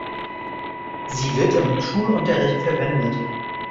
Sie wird im Schulunterricht verwendet.